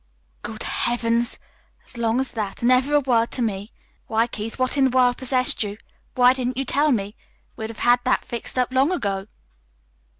"Good Heavens! As long as that, and never a word to me? Why, Keith, what in the world possessed you? Why didn't you tell me? We'd have had that fixed up long ago."